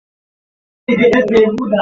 এই, ইরফান।